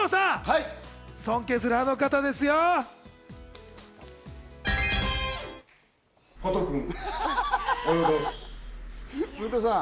尊敬するあの方ですよ、加藤さん。